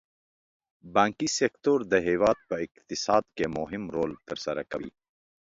بانکي سکتور د هېواد په اقتصاد کې مهم رول تر سره کوي.